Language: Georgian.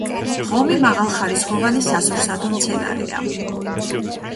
ღომი მაღალხარისხოვანი სასურსათო მცენარეა.